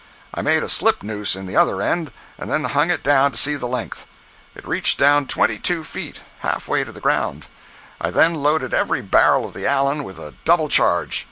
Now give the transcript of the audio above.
I made a slip noose in the other end, and then hung it down to see the length. It reached down twenty two feet—half way to the ground. I then loaded every barrel of the Allen with a double charge.